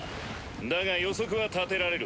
だが予測は立てられる。